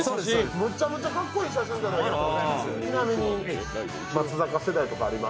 むちゃむちゃかっこいい写真じゃないですか。